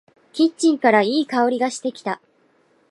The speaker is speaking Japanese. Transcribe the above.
キッチンからいい香りがしてきた。